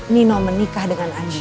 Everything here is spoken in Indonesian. nino menikah dengan andin